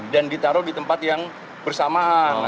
dan ditaruh di tempat yang bersamaan